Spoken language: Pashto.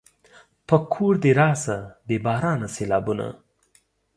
په کور دې راشه بې بارانه سېلابونه